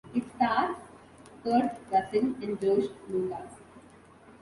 It stars Kurt Russell and Josh Lucas.